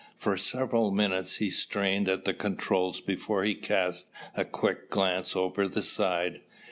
For several minutes he strained at the controls before he cast a quick glance over the side.